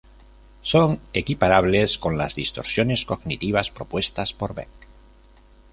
Son equiparables con las distorsiones cognitivas propuestas por Beck.